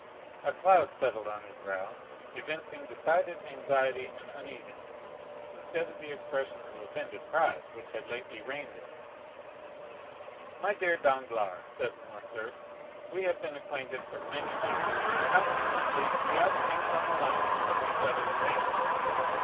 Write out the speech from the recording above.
A cloud settled on his brow, evincing decided anxiety and uneasiness, instead of the expression of offended pride which had lately reigned there. "My dear Danglars," said Morcerf, "we have been acquainted for many years, and consequently we ought to make some allowance for each other's failings.